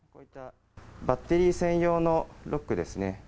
バッテリー専用のロックですね。